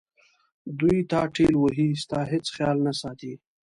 دوی تا ټېل وهي ستا هیڅ خیال نه ساتي.